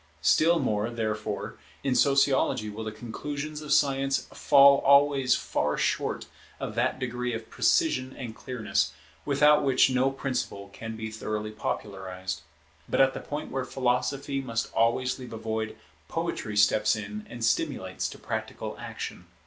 Still more, therefore, in Sociology will the conclusions of Science fall always far short of that degree of precision and clearness, without which no principle can be thoroughly popularized. But at the point where Philosophy must always leave a void, Poetry steps in and stimulates to practical action.